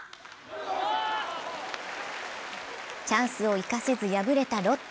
チャンスを生かせず敗れたロッテ。